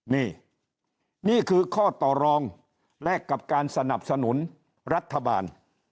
นี่นี่คือข้อต่อรองแลกกับการสนับสนุนรัฐบาล